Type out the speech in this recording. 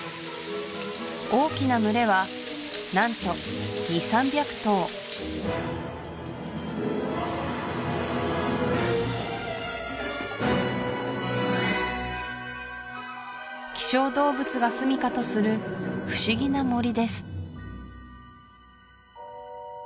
大きな群れは何と２００３００頭希少動物がすみかとする不思議な森です